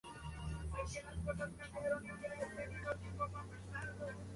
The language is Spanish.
El sol es la fuente de la vida, la luz y la abundancia.